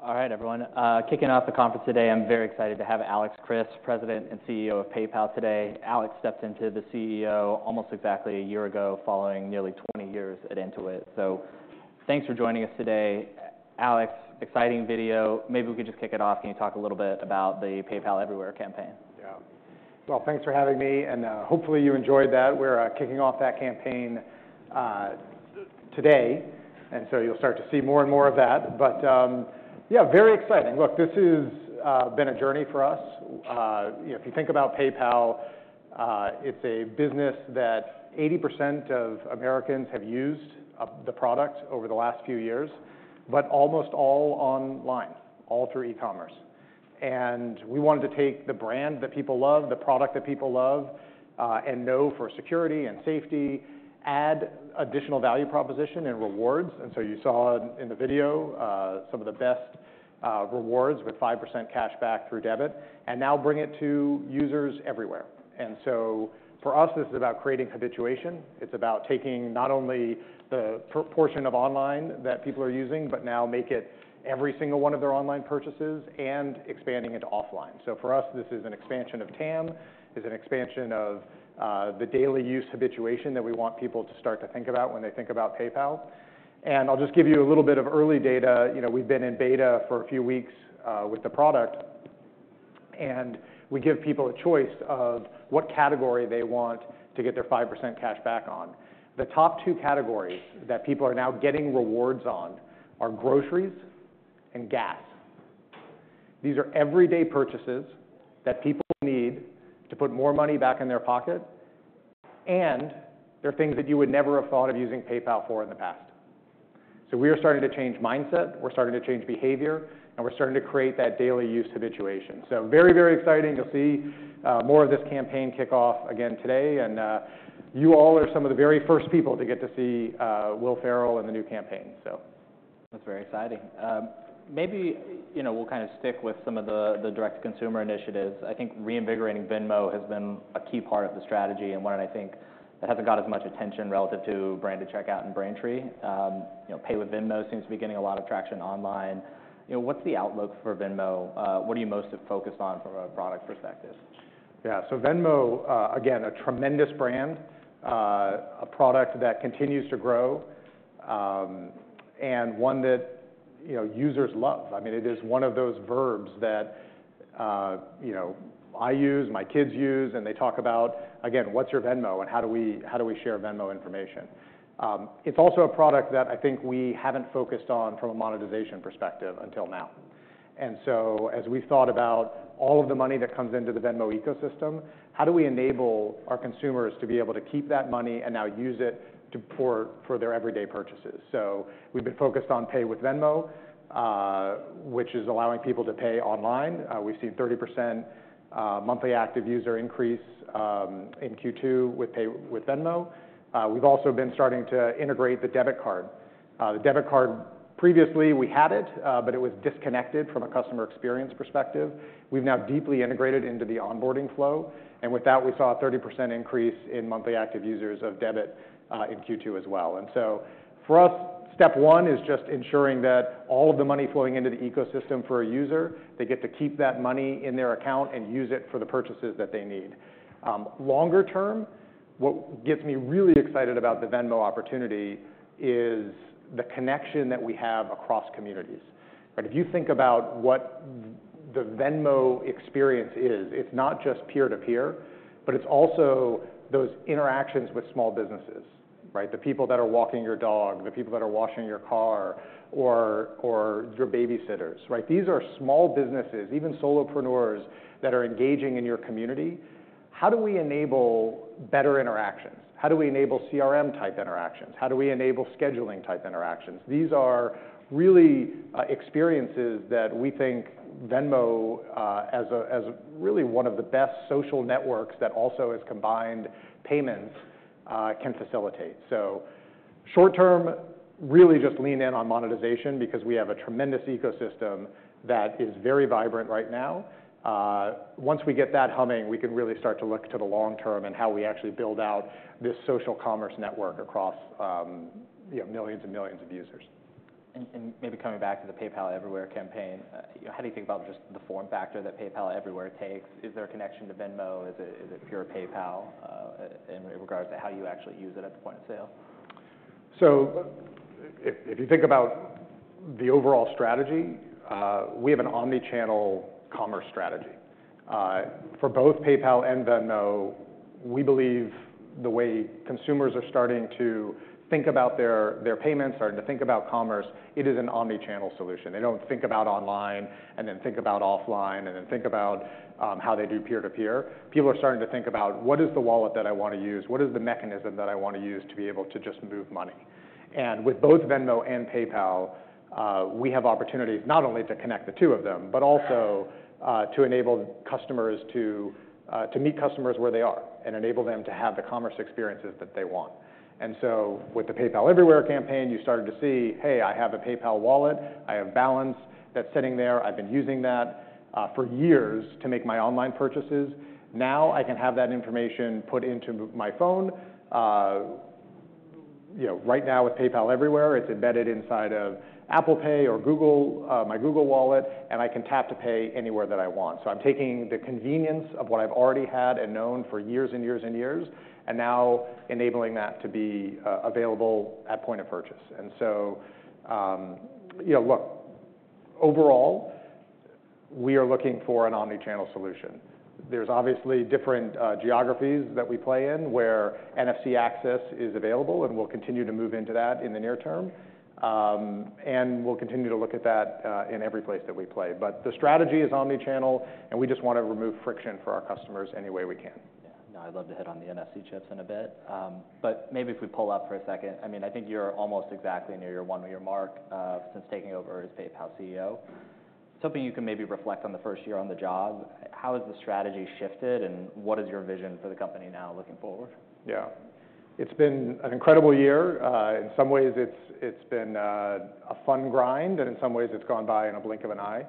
All right, everyone, kicking off the conference today, I'm very excited to have Alex Chriss, President and CEO of PayPal, today. Alex stepped into the CEO almost exactly a year ago, following nearly twenty years at Intuit. So thanks for joining us today, Alex. Exciting video. Maybe we could just kick it off. Can you talk a little bit about the PayPal Everywhere campaign? Yeah. Well, thanks for having me, and hopefully, you enjoyed that. We're kicking off that campaign today, and so you'll start to see more and more of that. But yeah, very exciting. Look, this has been a journey for us. If you think about PayPal, it's a business that 80% of Americans have used the product over the last few years, but almost all online, all through e-commerce. We wanted to take the brand that people love, the product that people love, and know for security and safety, add additional value proposition and rewards. So you saw in the video some of the best rewards with 5% cashback through debit, and now bring it to users everywhere. For us, this is about creating habituation. It's about taking not only the portion of online that people are using, but now make it every single one of their online purchases and expanding it to offline. So for us, this is an expansion of TAM, is an expansion of, the daily use habituation that we want people to start to think about when they think about PayPal. And I'll just give you a little bit of early data. You know, we've been in beta for a few weeks, with the product, and we give people a choice of what category they want to get their 5% cash back on. The top two categories that people are now getting rewards on are groceries and gas. These are everyday purchases that people need to put more money back in their pocket, and they're things that you would never have thought of using PayPal for in the past. So we are starting to change mindset, we're starting to change behavior, and we're starting to create that daily use habituation. So very, very exciting. You'll see more of this campaign kick off again today, and you all are some of the very first people to get to see Will Ferrell in the new campaign. So- That's very exciting. Maybe, you know, we'll kinda stick with some of the direct-to-consumer initiatives. I think reinvigorating Venmo has been a key part of the strategy and one I think that hasn't got as much attention relative to branded checkout and Braintree. You know, Pay with Venmo seems to be getting a lot of traction online. You know, what's the outlook for Venmo? What are you most focused on from a product perspective? Yeah. So Venmo, again, a tremendous brand, a product that continues to grow, and one that, you know, users love. I mean, it is one of those verbs that, you know, I use, my kids use, and they talk about, again, what's your Venmo and how do we, how do we share Venmo information? It's also a product that I think we haven't focused on from a monetization perspective until now. And so as we thought about all of the money that comes into the Venmo ecosystem, how do we enable our consumers to be able to keep that money and now use it to pay for their everyday purchases? So we've been focused on Pay with Venmo, which is allowing people to pay online. We've seen 30% monthly active user increase in Q2 with Pay with Venmo. We've also been starting to integrate the debit card. The debit card, previously, we had it, but it was disconnected from a customer experience perspective. We've now deeply integrated into the onboarding flow, and with that, we saw a 30% increase in monthly active users of debit, in Q2 as well. And so for us, step one is just ensuring that all of the money flowing into the ecosystem for a user, they get to keep that money in their account and use it for the purchases that they need. Longer term, what gets me really excited about the Venmo opportunity is the connection that we have across communities, right? If you think about what the Venmo experience is, it's not just peer-to-peer, but it's also those interactions with small businesses, right? The people that are walking your dog, the people that are washing your car, or your babysitters, right? These are small businesses, even solopreneurs, that are engaging in your community. How do we enable better interactions? How do we enable CRM-type interactions? How do we enable scheduling-type interactions? These are really experiences that we think Venmo as really one of the best social networks that also has combined payments can facilitate. So short term, really just lean in on monetization because we have a tremendous ecosystem that is very vibrant right now. Once we get that humming, we can really start to look to the long term and how we actually build out this social commerce network across you know, millions and millions of users. Maybe coming back to the PayPal Everywhere campaign, how do you think about just the form factor that PayPal Everywhere takes? Is there a connection to Venmo? Is it pure PayPal, in regards to how you actually use it at the point of sale? So if you think about the overall strategy, we have an omnichannel commerce strategy. For both PayPal and Venmo, we believe the way consumers are starting to think about their payments, starting to think about commerce, it is an omnichannel solution. They don't think about online and then think about offline, and then think about how they do peer-to-peer. People are starting to think about: What is the wallet that I want to use? What is the mechanism that I want to use to be able to just move money? And with both Venmo and PayPal, we have opportunities not only to connect the two of them, but also to enable customers to meet customers where they are and enable them to have the commerce experiences that they want. And so with the PayPal Everywhere campaign, you started to see, hey, I have a PayPal wallet. I have a balance that's sitting there. I've been using that for years to make my online purchases. Now, I can have that information put into my phone, you know, right now with PayPal Everywhere, it's embedded inside of Apple Pay or Google my Google Wallet, and I can tap to pay anywhere that I want. So I'm taking the convenience of what I've already had and known for years and years and years, and now enabling that to be available at the point of purchase. And so, you know, look, overall, we are looking for an omnichannel solution. There's obviously different geographies that we play in, where NFC access is available, and we'll continue to move into that in the near term. And we'll continue to look at that in every place that we play. But the strategy is omnichannel, and we just want to remove friction for our customers in any way we can. Yeah. Now, I'd love to hit on the NFC chips in a bit, but maybe if we pull up for a second. I mean, I think you're almost exactly near your one-year mark since taking over as PayPal CEO. Something you can maybe reflect in the first year on the job, how has the strategy shifted, and what is your vision for the company now, looking forward? Yeah. It's been an incredible year. In some ways, it's been a fun grind, and in some ways, it's gone by in a blink of an eye.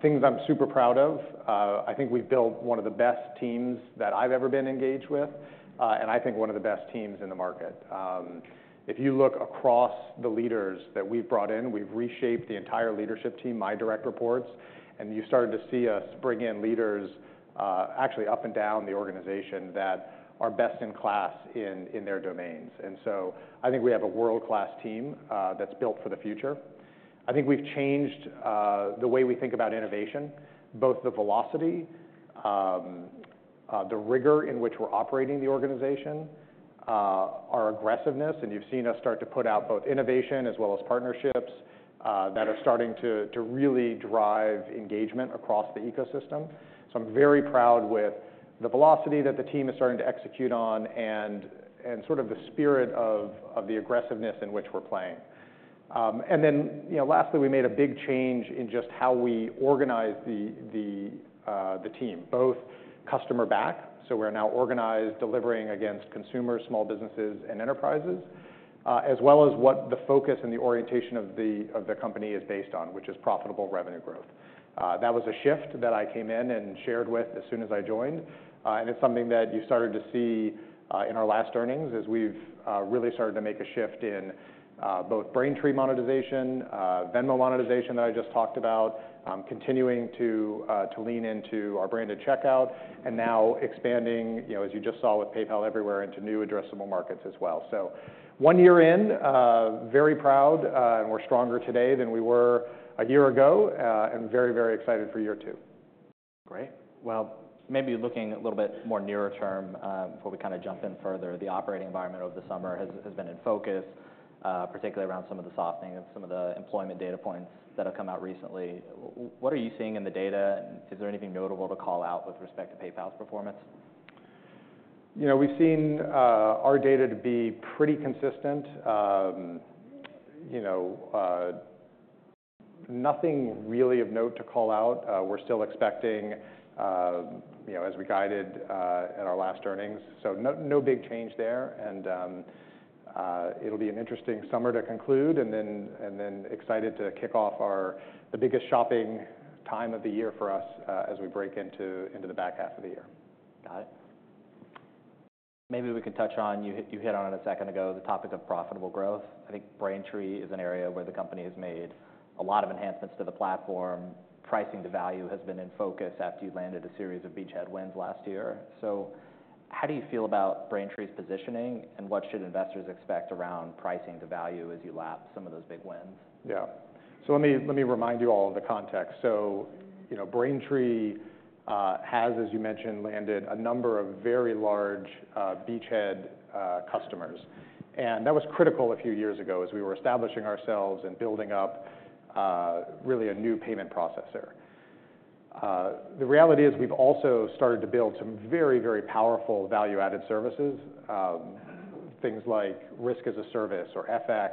Things I'm super proud of, I think we've built one of the best teams that I've ever been engaged with, and I think one of the best teams in the market. If you look across the leaders that we've brought in, we've reshaped the entire leadership team, my direct reports, and you started to see us bring in leaders, actually up and down the organization that are best in class in their domains. And so I think we have a world-class team, that's built for the future. I think we've changed the way we think about innovation, both the velocity, the rigor in which we're operating the organization, our aggressiveness, and you've seen us start to put out both innovation as well as partnerships that are starting to really drive engagement across the ecosystem. So I'm very proud with the velocity that the team is starting to execute on and sort of the spirit of the aggressiveness in which we're playing. And then, you know, lastly, we made a big change in just how we organize the team, both customer back, so we're now organized, delivering against consumers, small businesses and enterprises, as well as what the focus and the orientation of the company is based on, which is profitable revenue growth. That was a shift that I came in and shared with as soon as I joined, and it's something that you started to see in our last earnings, as we've really started to make a shift in both Braintree monetization, Venmo monetization that I just talked about, continuing to lean into our branded checkout, and now expanding, you know, as you just saw with PayPal Everywhere, into new addressable markets as well. So one year in, very proud, and we're stronger today than we were a year ago, and very, very excited for year two. Great! Well, maybe looking a little bit more nearer term, before we kinda jump in further, the operating environment over the summer has been in focus, particularly around some of the softening of some of the employment data points that have come out recently. What are you seeing in the data, and is there anything notable to call out with respect to PayPal's performance? You know, we've seen our data to be pretty consistent. You know, nothing really of note to call out. We're still expecting, you know, as we guided at our last earnings, so no big change there. And it'll be an interesting summer to conclude, and then excited to kick off our the biggest shopping time of the year for us, as we break into the back half of the year. Got it. Maybe we can touch on, you hit on it a second ago, the topic of profitable growth. I think Braintree is an area where the company has made a lot of enhancements to the platform. Pricing to value has been in focus after you landed a series of beachhead wins last year. So how do you feel about Braintree's positioning, and what should investors expect around pricing to value as you lap some of those big wins? Yeah. So let me remind you all of the context. So, you know, Braintree has, as you mentioned, landed a number of very large beachhead customers, and that was critical a few years ago as we were establishing ourselves and building up really a new payment processor. The reality is, we've also started to build some very, very powerful value-added services, things like risk as a service or FX.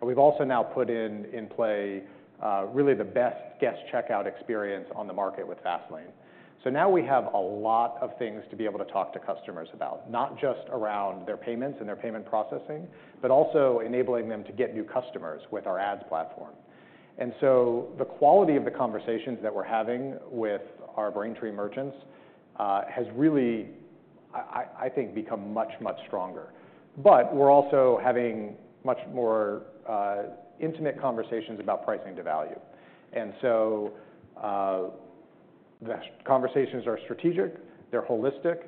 And we've also now put in play really the best guest checkout experience on the market with Fastlane. So now we have a lot of things to be able to talk to customers about, not just around their payments and their payment processing, but also enabling them to get new customers with our ads platform. And so the quality of the conversations that we're having with our Braintree merchants has really, I think, become much, much stronger. But we're also having much more intimate conversations about pricing to value. And so the conversations are strategic, they're holistic,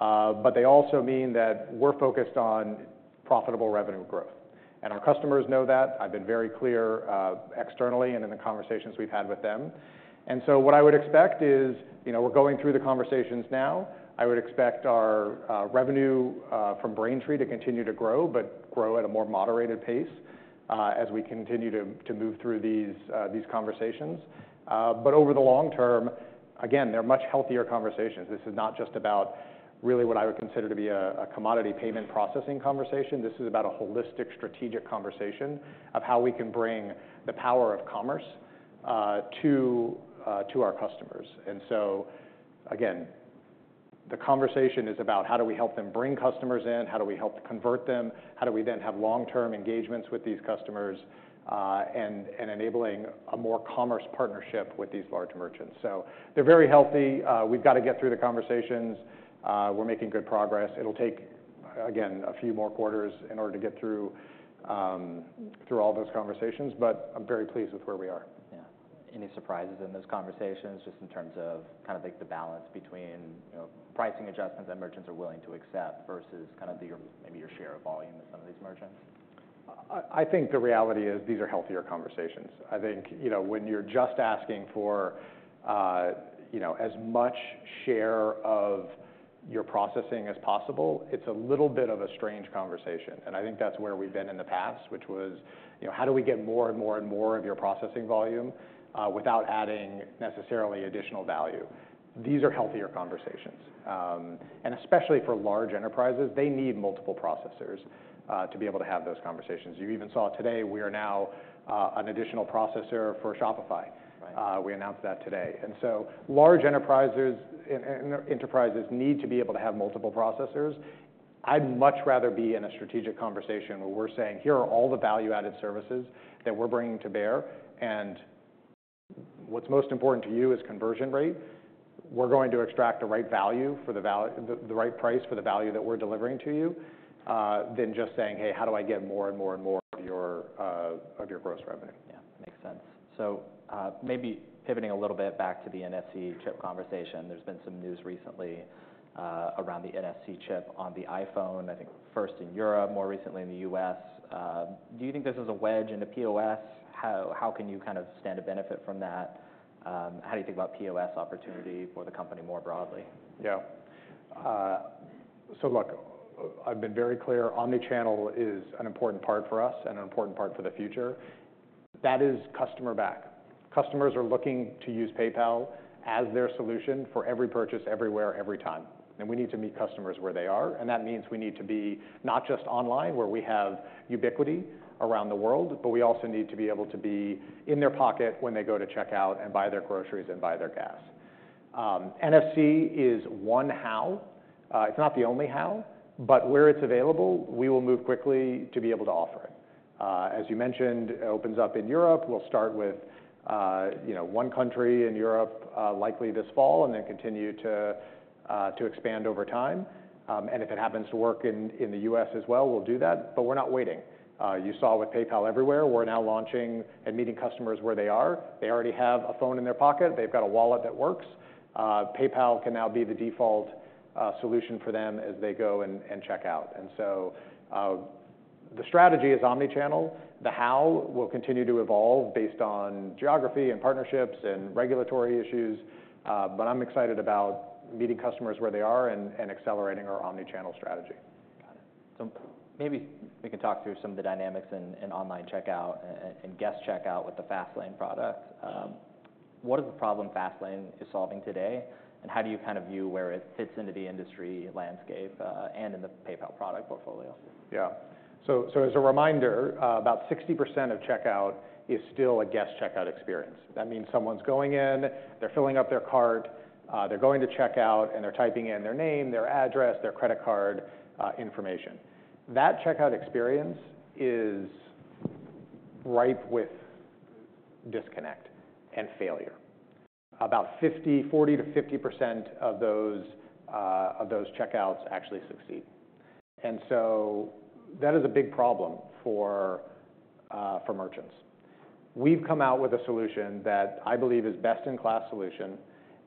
but they also mean that we're focused on profitable revenue growth. And our customers know that. I've been very clear externally, and in the conversations we've had with them. And so what I would expect is, you know, we're going through the conversations now. I would expect our revenue from Braintree to continue to grow, but grow at a more moderate pace as we continue to move through these conversations. But over the long term, again, they're much healthier conversations. This is not just about really what I would consider to be a commodity payment processing conversation. This is about a holistic, strategic conversation of how we can bring the power of commerce to our customers. And so, again, the conversation is about how do we help them bring customers in, how do we help to convert them, how do we then have long-term engagements with these customers, and enabling a more commerce partnership with these large merchants? So they're very healthy. We've got to get through the conversations. We're making good progress. It'll take again, a few more quarters in order to get through all those conversations, but I'm very pleased with where we are. Yeah. Any surprises in those conversations, just in terms of kind of like the balance between, you know, pricing adjustments that merchants are willing to accept versus kind of your, maybe your share of volume with some of these merchants? I think the reality is these are healthier conversations. I think, you know, when you're just asking for, you know, as much share of your processing as possible, it's a little bit of a strange conversation, and I think that's where we've been in the past, which was, you know, how do we get more and more and more of your processing volume, without adding necessarily additional value? These are healthier conversations, and especially for large enterprises, they need multiple processors to be able to have those conversations. You even saw today, we are now an additional processor for Shopify. Right. We announced that today, and so large enterprises and enterprises need to be able to have multiple processors. I'd much rather be in a strategic conversation where we're saying, "Here are all the value-added services that we're bringing to bear, and what's most important to you is conversion rate. We're going to extract the right value for the right price for the value that we're delivering to you," than just saying, "Hey, how do I get more and more and more of your gross revenue? Yeah, makes sense. So, maybe pivoting a little bit back to the NFC chip conversation, there's been some news recently around the NFC chip on the iPhone, I think first in Europe, more recently in the U.S.. Do you think this is a wedge into POS? How can you kind of stand to benefit from that? How do you think about POS opportunity for the company more broadly? Yeah. So look, I've been very clear, omnichannel is an important part for us and an important part for the future. That is customer back. Customers are looking to use PayPal as their solution for every purchase, everywhere, every time, and we need to meet customers where they are, and that means we need to be not just online, where we have ubiquity around the world, but we also need to be able to be in their pocket when they go to checkout and buy their groceries and buy their gas. NFC is one how. It's not the only how, but where it's available, we will move quickly to be able to offer it. As you mentioned, it opens up in Europe. We'll start with, you know, one country in Europe, likely this fall, and then continue to expand over time. And if it happens to work in the U.S. as well, we'll do that, but we're not waiting. You saw with PayPal Everywhere, we're now launching and meeting customers where they are. They already have a phone in their pocket. They've got a wallet that works. PayPal can now be the default solution for them as they go and check out. And so, the strategy is omnichannel. The how will continue to evolve based on geography and partnerships and regulatory issues, but I'm excited about meeting customers where they are and accelerating our omnichannel strategy. Got it. So maybe we can talk through some of the dynamics in online checkout and guest checkout with the Fastlane product. What is the problem Fastlane is solving today, and how do you kind of view where it fits into the industry landscape, and in the PayPal product portfolio? Yeah. So as a reminder, about 60% of checkout is still a guest checkout experience. That means someone's going in, they're filling up their cart, they're going to checkout, and they're typing in their name, their address, their credit card information. That checkout experience is ripe with disconnect and failure. 40%-50% of those checkouts actually succeed, and so that is a big problem for merchants. We've come out with a solution that I believe is best-in-class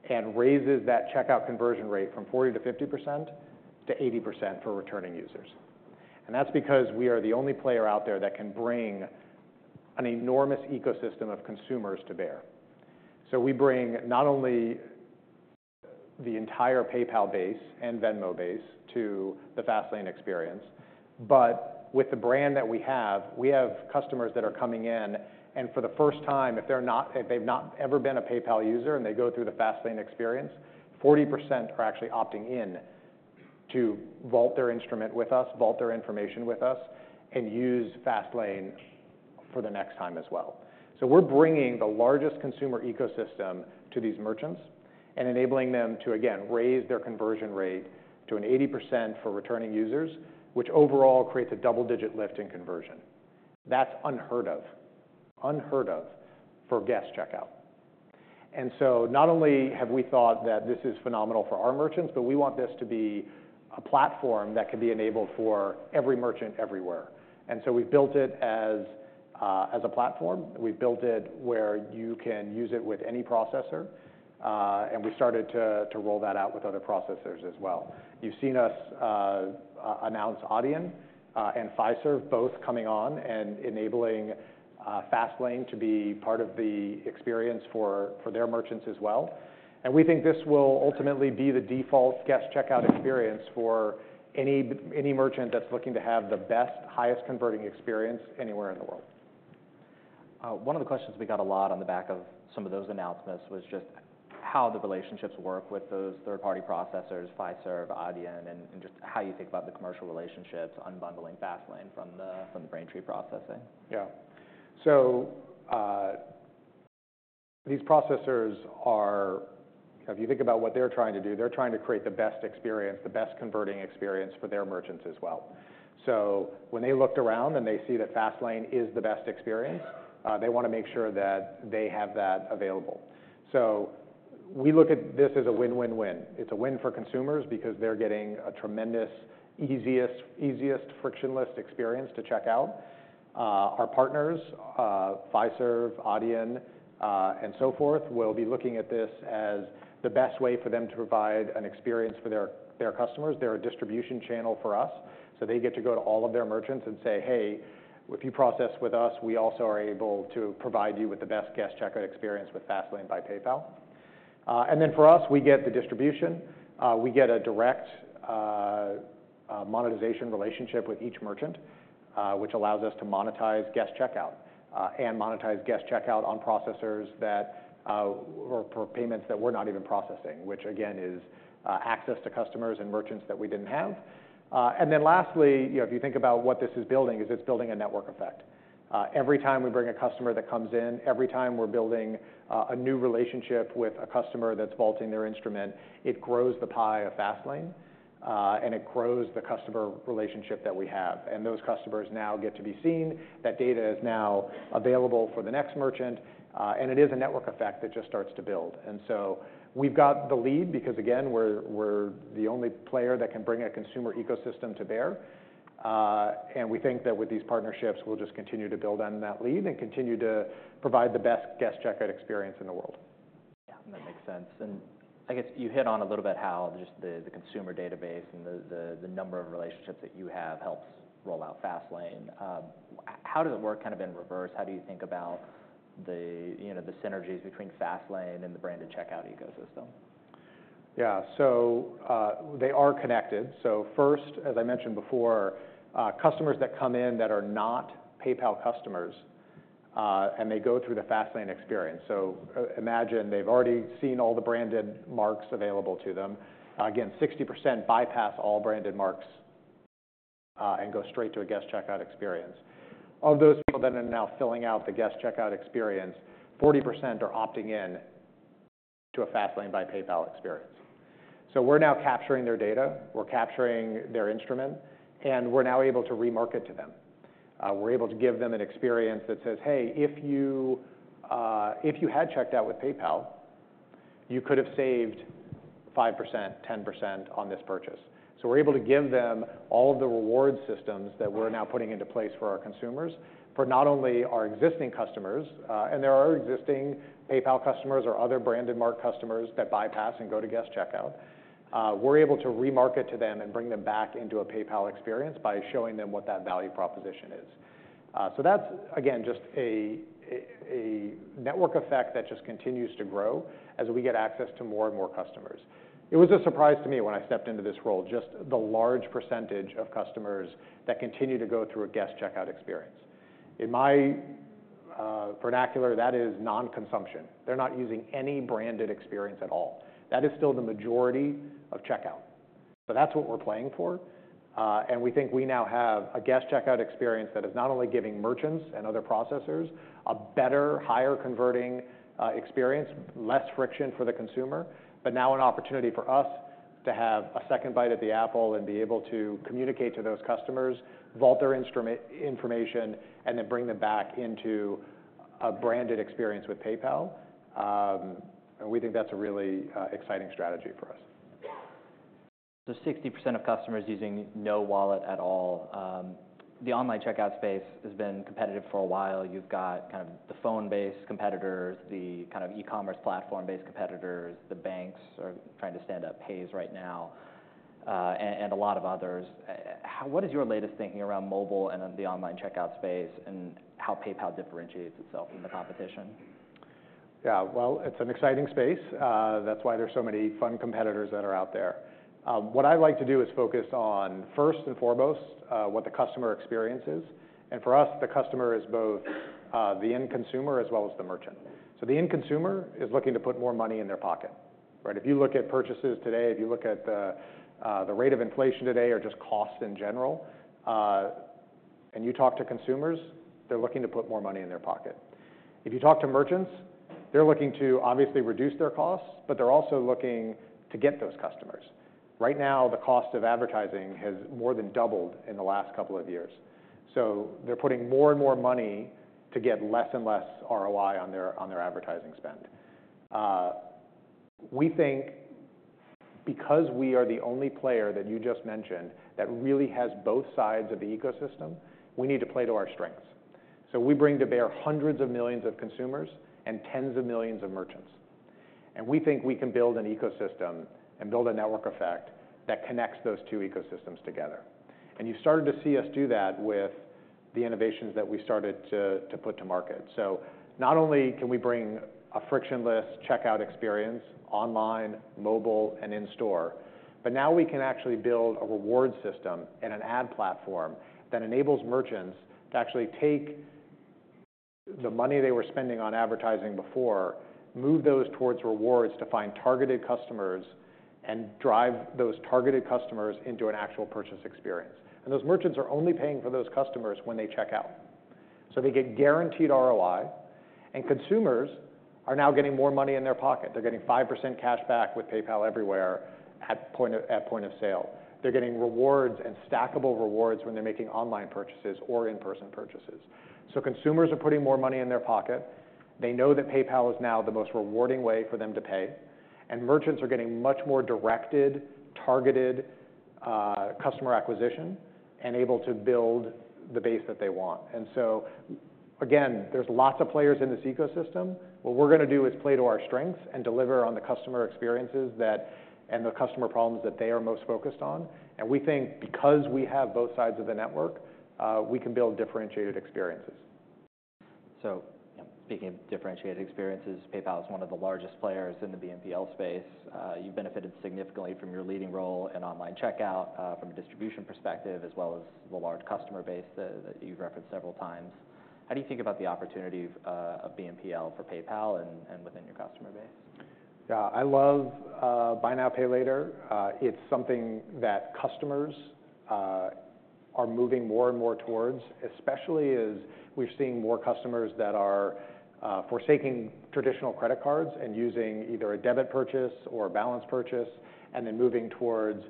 and raises that checkout conversion rate from 40%-50% to 80% for returning users, and that's because we are the only player out there that can bring an enormous ecosystem of consumers to bear- So we bring not only the entire PayPal base and Venmo base to the Fastlane experience, but with the brand that we have, we have customers that are coming in, and for the first time, if they've not ever been a PayPal user and they go through the Fastlane experience, 40% are actually opting in to vault their instrument with us, vault their information with us, and use Fastlane for the next time as well. So we're bringing the largest consumer ecosystem to these merchants and enabling them to, again, raise their conversion rate to an 80% for returning users, which overall creates a double-digit lift in conversion. That's unheard of, unheard of for guest checkout. Not only have we thought that this is phenomenal for our merchants, but we want this to be a platform that can be enabled for every merchant everywhere. We've built it as a platform. We've built it where you can use it with any processor, and we started to roll that out with other processors as well. You've seen us announce Adyen and Fiserv both coming on and enabling Fastlane to be part of the experience for their merchants as well. We think this will ultimately be the default guest checkout experience for any merchant that's looking to have the best, highest converting experience anywhere in the world. One of the questions we got a lot on the back of some of those announcements was just how the relationships work with those third-party processors, Fiserv, Adyen, and just how you think about the commercial relationships, unbundling Fastlane from the, from the Braintree processing? Yeah. So, these processors are. If you think about what they're trying to do, they're trying to create the best experience, the best converting experience for their merchants as well. So when they looked around and they see that Fastlane is the best experience, they wanna make sure that they have that available. So we look at this as a win-win-win. It's a win for consumers because they're getting a tremendous, easiest frictionless experience to check out. Our partners, Fiserv, Adyen, and so forth, will be looking at this as the best way for them to provide an experience for their customers. They're a distribution channel for us, so they get to go to all of their merchants and say, "Hey, if you process with us, we also are able to provide you with the best guest checkout experience with Fastlane by PayPal," and then for us, we get the distribution, we get a direct monetization relationship with each merchant, which allows us to monetize guest checkout, and monetize guest checkout on processors that or for payments that we're not even processing, which again is access to customers and merchants that we didn't have, and then lastly, you know, if you think about what this is building, is it's building a network effect. Every time we bring a customer that comes in, every time we're building a new relationship with a customer that's vaulting their instrument, it grows the pie of Fastlane, and it grows the customer relationship that we have. And those customers now get to be seen. That data is now available for the next merchant, and it is a network effect that just starts to build. And so we've got the lead because, again, we're the only player that can bring a consumer ecosystem to bear. And we think that with these partnerships, we'll just continue to build on that lead and continue to provide the best guest checkout experience in the world. Yeah, that makes sense. And I guess you hit on a little bit how just the consumer database and the number of relationships that you have helps roll out Fastlane. How does it work kind of in reverse? How do you think about you know, the synergies between Fastlane and the branded checkout ecosystem? Yeah. So, they are connected. So first, as I mentioned before, customers that come in that are not PayPal customers, and they go through the Fastlane experience. So, imagine they've already seen all the branded marks available to them. Again, 60% bypass all branded marks, and go straight to a guest checkout experience. Of those people that are now filling out the guest checkout experience, 40% are opting in to a Fastlane by PayPal experience. So we're now capturing their data, we're capturing their instrument, and we're now able to remarket to them. We're able to give them an experience that says, "Hey, if you, if you had checked out with PayPal, you could have saved 5%, 10% on this purchase." So we're able to give them all of the reward systems that we're now putting into place for our consumers, for not only our existing customers, and there are existing PayPal customers or other Braintree customers that bypass and go to guest checkout. We're able to remarket to them and bring them back into a PayPal experience by showing them what that value proposition is. So that's again, just a network effect that just continues to grow as we get access to more and more customers. It was a surprise to me when I stepped into this role, just the large percentage of customers that continue to go through a guest checkout experience. In my vernacular, that is non-consumption. They're not using any branded experience at all. That is still the majority of checkout. So that's what we're playing for, and we think we now have a guest checkout experience that is not only giving merchants and other processors a better, higher converting experience, less friction for the consumer, but now an opportunity for us to have a second bite at the apple and be able to communicate to those customers, vault their information, and then bring them back into a branded experience with PayPal, and we think that's a really exciting strategy for us. So 60% of customers using no wallet at all. The online checkout space has been competitive for a while. You've got kind of the phone-based competitors, the kind of e-commerce platform-based competitors. The banks are trying to stand up Paze right now, and a lot of others. What is your latest thinking around mobile and then the online checkout space, and how PayPal differentiate itself from the competition? Yeah, well, it's an exciting space. That's why there's so many fun competitors that are out there. What I like to do is focus on, first and foremost, what the customer experience is, and for us, the customer is both the end consumer as well as the merchant. So the end consumer is looking to put more money in their pocket, right? If you look at purchases today, if you look at the rate of inflation today or just cost in general, and you talk to consumers, they're looking to put more money in their pocket. If you talk to merchants, they're looking to obviously reduce their costs, but they're also looking to get those customers. Right now, the cost of advertising has more than doubled in the last couple of years. So they're putting more and more money to get less and less ROI on their advertising spend. We think because we are the only player that you just mentioned, that really has both sides of the ecosystem, we need to play to our strengths. So we bring to bear hundreds of millions of consumers and tens of millions of merchants, and we think we can build an ecosystem and build a network effect that connects those two ecosystems together. And you've started to see us do that with the innovations that we started to put to market. Not only can we bring a frictionless checkout experience online, mobile, and in-store, but now we can actually build a reward system and an ad platform that enables merchants to actually take the money they were spending on advertising before, move those towards rewards to find targeted customers, and drive those targeted customers into an actual purchase experience. And those merchants are only paying for those customers when they check out. So they get guaranteed ROI, and consumers are now getting more money in their pocket. They're getting 5% cashback with PayPal Everywhere at point of sale. They're getting rewards and stackable rewards when they're making online purchases or in-person purchases. So consumers are putting more money in their pocket. They know that PayPal is now the most rewarding way for them to pay, and merchants are getting much more directed, targeted, customer acquisition and able to build the base that they want. And so again, there's lots of players in this ecosystem. What we're gonna do is play to our strengths and deliver on the customer experiences that, and the customer problems that they are most focused on. And we think because we have both sides of the network, we can build differentiated experiences. So speaking of differentiated experiences, PayPal is one of the largest players in the BNPL space. You've benefited significantly from your leading role in online checkout, from a distribution perspective, as well as the large customer base that you've referenced several times. How do you think about the opportunity of BNPL for PayPal and within your customer base? Yeah, I love buy now, pay later. It's something that customers are moving more and more towards, especially as we're seeing more customers that are forsaking traditional credit cards and using either a debit purchase or a balance purchase, and then moving towards,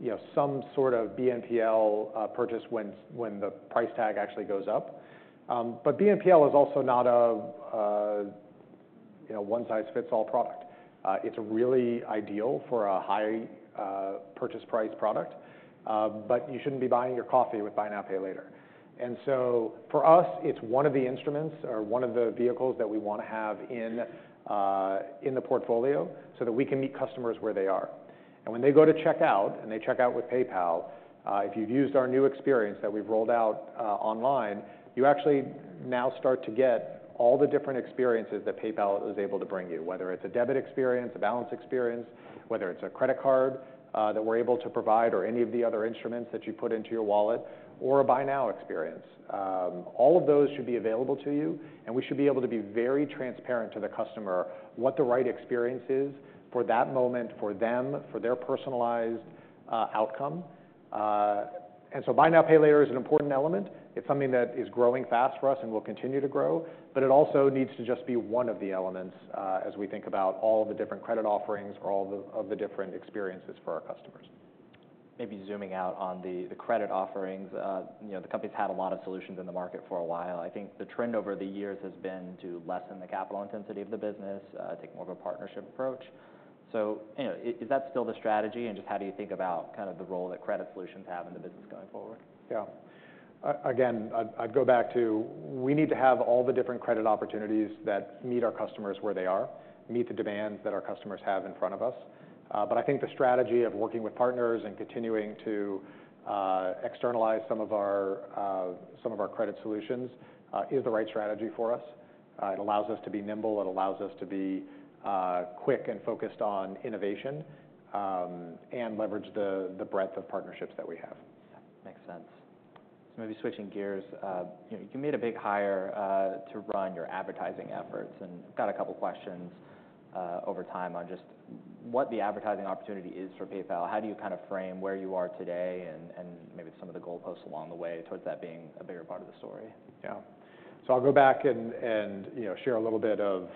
you know, some sort of BNPL purchase when the price tag actually goes up. But BNPL is also not a, you know, one-size-fits-all product. It's really ideal for a high purchase price product, but you shouldn't be buying your coffee with buy now, pay later. And so for us, it's one of the instruments or one of the vehicles that we want to have in the portfolio so that we can meet customers where they are. When they go to checkout and they check out with PayPal, if you've used our new experience that we've rolled out, online, you actually now start to get all the different experiences that PayPal is able to bring you, whether it's a debit experience, a balance experience, whether it's a credit card that we're able to provide, or any of the other instruments that you put into your wallet, or a buy now experience. All of those should be available to you, and we should be able to be very transparent to the customer what the right experience is for that moment, for them, for their personalized outcome. So buy now, pay later is an important element. It's something that is growing fast for us and will continue to grow, but it also needs to just be one of the elements, as we think about all the different credit offerings or all of the different experiences for our customers. Maybe zooming out on the credit offerings. You know, the company's had a lot of solutions in the market for a while. I think the trend over the years has been to lessen the capital intensity of the business, take more of a partnership approach. So, you know, is that still the strategy, and just how do you think about kind of the role that credit solutions have in the business going forward? Yeah. Again, I'd go back to we need to have all the different credit opportunities that meet our customers where they are, meet the demands that our customers have in front of us. But I think the strategy of working with partners and continuing to externalize some of our credit solutions is the right strategy for us. It allows us to be nimble, it allows us to be quick and focused on innovation, and leverage the breadth of partnerships that we have. Makes sense. So maybe switching gears. You know, you made a big hire to run your advertising efforts and got a couple questions over time on just what the advertising opportunity is for PayPal. How do you kind of frame where you are today and maybe some of the goalposts along the way towards that being a bigger part of the story? Yeah. So I'll go back, and you know, share a little bit of,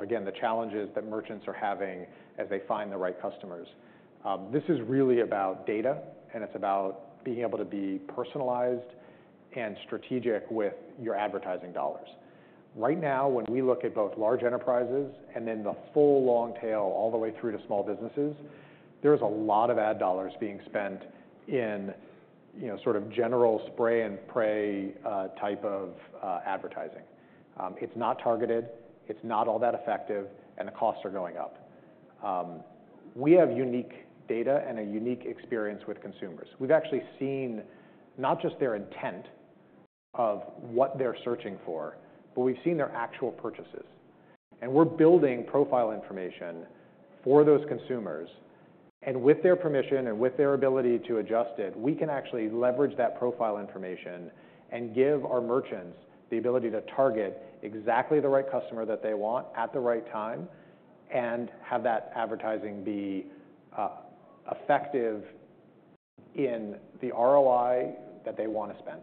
again, the challenges that merchants are having as they find the right customers. This is really about data, and it's about being able to personalize and be strategic with your advertising dollars. Right now, when we look at both large enterprises and then the full long tail all the way through to small businesses, there's a lot of ad dollars being spent in, you know, sort of general spray-and-pray type of advertising. It's not targeted, it's not all that effective, and the costs are going up. We have unique data and a unique experience with consumers. We've actually seen not just their intent of what they're searching for, but we've seen their actual purchases. And we're building profile information for those consumers, and with their permission and with their ability to adjust it, we can actually leverage that profile information and give our merchants the ability to target exactly the right customer that they want at the right time and have that advertising be effective in the ROI that they want to spend.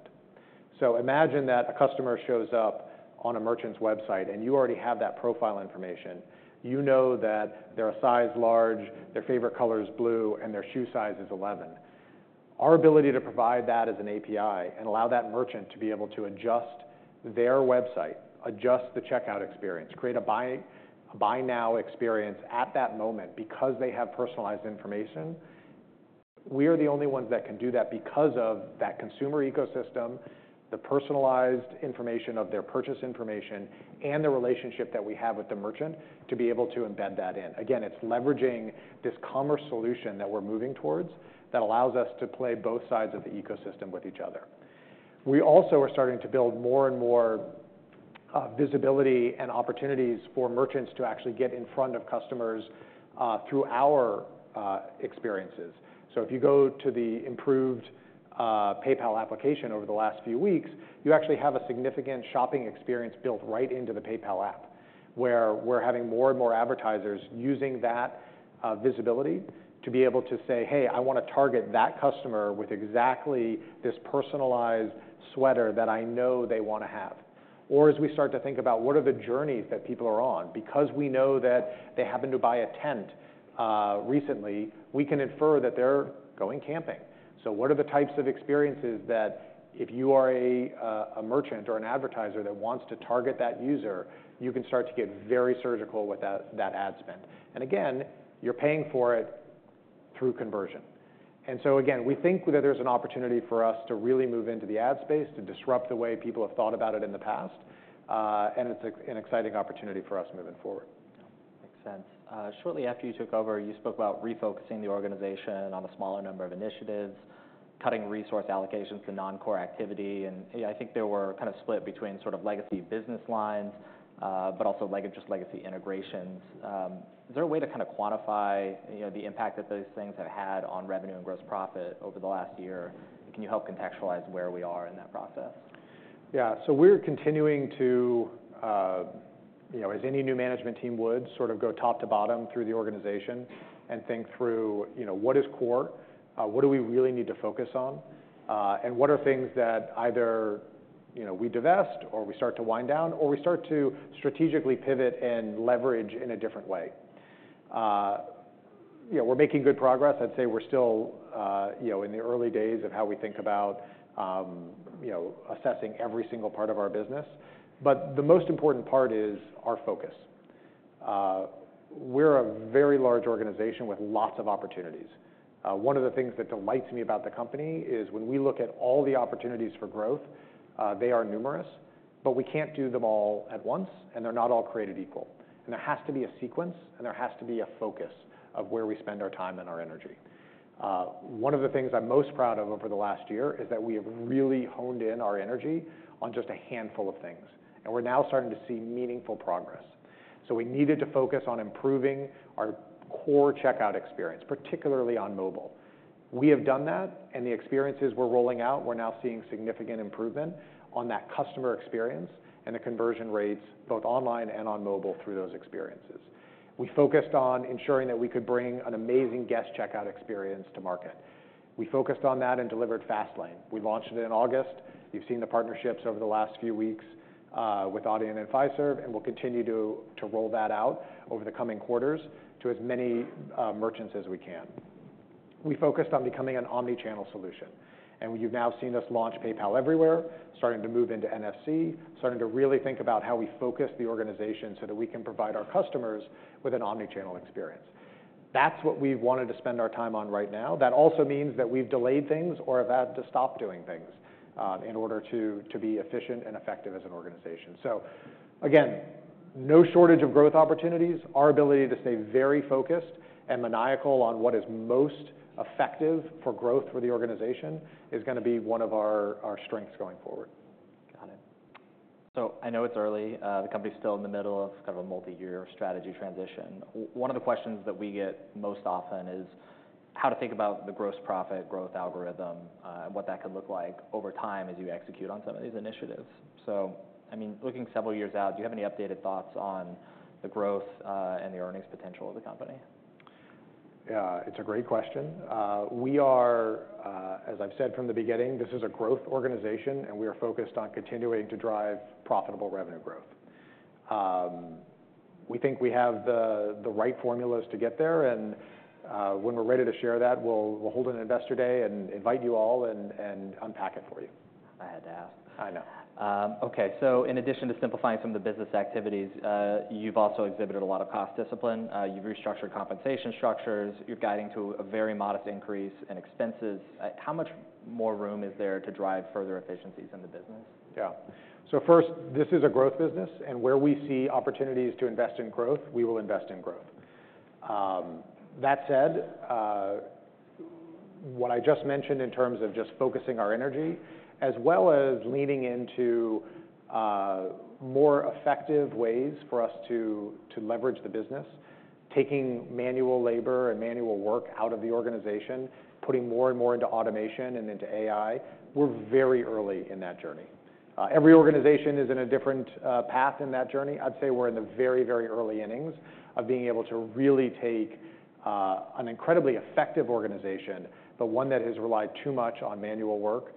So imagine that a customer shows up on a merchant's website, and you already have that profile information. You know that they're a size large, their favorite color is blue, and their shoe size is 11. Our ability to provide that as an API and allow that merchant to be able to adjust their website, adjust the checkout experience, create a buy now experience at that moment, because they have personalized information. We are the only ones that can do that because of that consumer ecosystem, the personalized information of their purchase information, and the relationship that we have with the merchant to be able to embed that in. Again, it's leveraging this commerce solution that we're moving towards that allows us to play both sides of the ecosystem with each other. We also are starting to build more and more visibility and opportunities for merchants to actually get in front of customers through our experiences. So if you go to the improved PayPal application over the last few weeks, you actually have a significant shopping experience built right into the PayPal app, where we're having more and more advertisers using that visibility to be able to say, "Hey, I want to target that customer with exactly this personalized sweater that I know they want to have." Or as we start to think about what are the journeys that people are on. Because we know that they happen to buy a tent recently, we can infer that they're going camping. So what are the types of experiences that if you are a merchant or an advertiser that wants to target that user, you can start to get very surgical with that ad spend. And again, you're paying for it through conversion. And so again, we think that there's an opportunity for us to really move into the ad space, to disrupt the way people have thought about it in the past, and it's an exciting opportunity for us moving forward. Makes sense. Shortly after you took over, you spoke about refocusing the organization on a smaller number of initiatives, cutting resource allocations to non-core activity, and, yeah, I think there were kind of split between sort of legacy business lines, but also just legacy integrations. Is there a way to kind of quantify, you know, the impact that those things have had on revenue and gross profit over the last year? Can you help contextualize where we are in that process? Yeah. So we're continuing to, you know, as any new management team would, sort of go top to bottom through the organization and think through, you know, what is core? What do we really need to focus on? And what are things that either, you know, we divest or we start to wind down, or we start to strategically pivot and leverage in a different way? You know, we're making good progress. I'd say we're still, you know, in the early days of how we think about, you know, assessing every single part of our business. But the most important part is our focus. We're a very large organization with lots of opportunities. One of the things that delights me about the company is when we look at all the opportunities for growth, they are numerous, but we can't do them all at once, and they're not all created equal, and there has to be a sequence, and there has to be a focus of where we spend our time and our energy. One of the things I'm most proud of over the last year is that we have really honed in our energy on just a handful of things, and we're now starting to see meaningful progress, so we needed to focus on improving our core checkout experience, particularly on mobile. We have done that, and the experiences we're rolling out, we're now seeing significant improvement on that customer experience and the conversion rates, both online and on mobile through those experiences. We focused on ensuring that we could bring an amazing guest checkout experience to market. We focused on that and delivered Fastlane. We launched it in August. You've seen the partnerships over the last few weeks with Adyen and Fiserv, and we'll continue to roll that out over the coming quarters to as many merchants as we can. We focused on becoming an omnichannel solution, and you've now seen us launch PayPal Everywhere, starting to move into NFC, starting to really think about how we focus the organization so that we can provide our customers with an omnichannel experience. That's what we've wanted to spend our time on right now. That also means that we've delayed things or have had to stop doing things in order to be efficient and effective as an organization. So again, no shortage of growth opportunities. Our ability to stay very focused and maniacal on what is most effective for growth for the organization is gonna be one of our strengths going forward. Got it. So I know it's early. The company's still in the middle of kind of a multi-year strategy transition. One of the questions that we get most often is how to think about the gross profit growth algorithm, what that could look like over time as you execute on some of these initiatives. So, I mean, looking several years out, do you have any updated thoughts on the growth and the earnings potential of the company? Yeah, it's a great question. We are, as I've said from the beginning, this is a growth organization, and we are focused on continuing to drive profitable revenue growth. We think we have the right formulas to get there, and when we're ready to share that, we'll hold an investor day and invite you all and unpack it for you. I had to ask. I know. Okay, so in addition to simplifying some of the business activities, you've also exhibited a lot of cost discipline. You've restructured compensation structures. You're guiding to a very modest increase in expenses. How much more room is there to drive further efficiencies in the business? Yeah. So first, this is a growth business, and where we see opportunities to invest in growth, we will invest in growth. That said, what I just mentioned in terms of just focusing our energy, as well as leaning into more effective ways for us to leverage the business, taking manual labor and manual work out of the organization, putting more and more into automation and into AI, we're very early in that journey. Every organization is in a different path in that journey. I'd say we're in the very, very early innings of being able to really take an incredibly effective organization, but one that has relied too much on manual work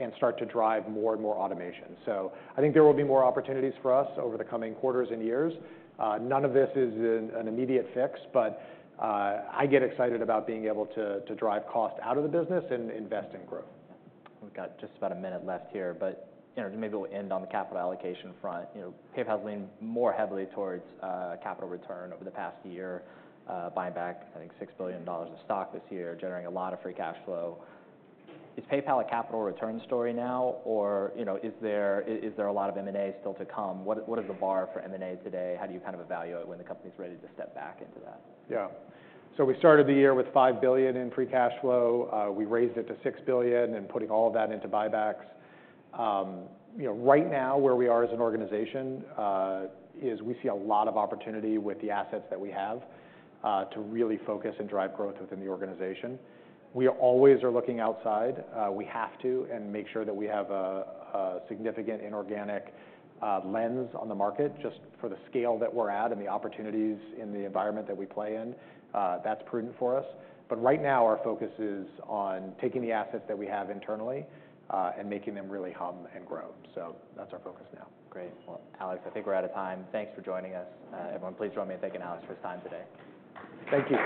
and start to drive more and more automation. So I think there will be more opportunities for us over the coming quarters and years. None of this is an immediate fix, but I get excited about being able to drive cost out of the business and invest in growth. We've got just about a minute left here, but you know, maybe we'll end on the capital allocation front. You know, PayPal's leaned more heavily towards, capital return over the past year, buying back, I think, $6 billion in stock this year, generating a lot of free cash flow. Is PayPal a capital return story now, or, you know, is there, is there a lot of M&A still to come? What is, what is the bar for M&A today? How do you kind of evaluate when the company's ready to step back into that? Yeah. So we started the year with $5 billion in free cash flow. We raised it to $6 billion and putting all of that into buybacks. You know, right now, where we are as an organization, is we see a lot of opportunity with the assets that we have, to really focus and drive growth within the organization. We always are looking outside. We have to and make sure that we have a significant inorganic lens on the market, just for the scale that we're at and the opportunities in the environment that we play in. That's prudent for us, but right now, our focus is on taking the assets that we have internally, and making them really hum and grow. So that's our focus now. Great. Well, Alex, I think we're out of time. Thanks for joining us. Everyone, please join me in thanking Alex for his time today. Thank you.